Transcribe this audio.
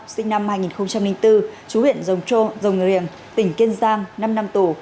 sinh năm hai nghìn bốn chú huyện rồng trô rồng người riềng tỉnh kiên giang năm năm tù